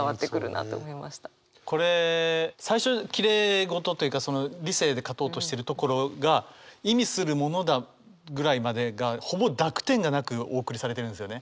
これ最初きれい事というか理性で勝とうとしてるところが「意味するものだ」ぐらいまでがほぼ濁点がなくお送りされてるんですよね。